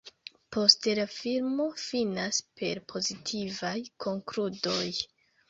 Poste la filmo finas per pozitivaj konkludoj.